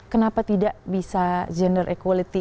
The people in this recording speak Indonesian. kenapa tidak bisa gener equality